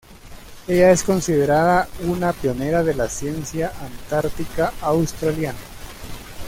Ella es considerada una pionera de la ciencia antártica australiana.